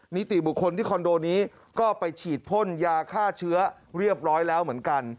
นิติบุคคลที่คอนโดนี้ก็ไปฉีดพ่นยาฆ่าเชื้อเรียบร้อยแล้วเหมือนกัน